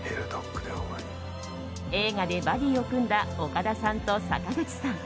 映画でバディを組んだ岡田さんと坂口さん。